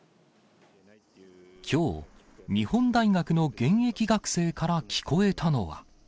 きょう、日本大学の現役学生から聞こえたのは。